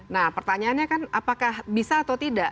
nah pertanyaannya kan apakah bisa atau tidak